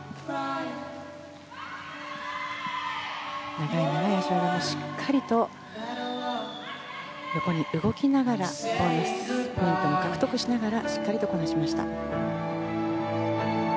２本の長い脚をしっかりと横に動かしながらポイントを獲得しながらしっかりとこなしました。